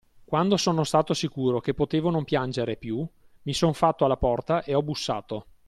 Quando sono stato sicuro che potevo non piangere più, mi son fatto alla porta e ho bussato;